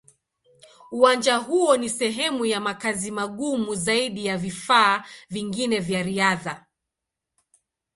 Uwanja huo ni sehemu ya makazi magumu zaidi ya vifaa vingine vya riadha.